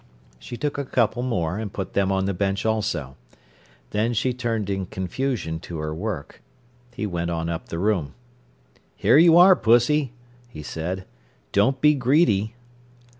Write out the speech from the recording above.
She took a couple more, and put them on the bench also. Then she turned in confusion to her work. He went on up the room. "Here you are, Pussy," he said. "Don't be greedy!"